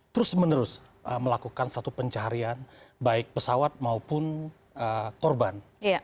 terus menerus melakukan satu pencarian baik pesawat maupun korban